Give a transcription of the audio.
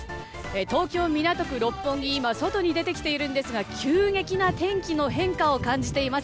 東京・港区六本木外に出てきているんですが急激な天気の変化を感じています。